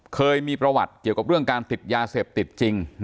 เคยมีประวัติเกี่ยวกับเรื่องการติดยาเสพติดจริง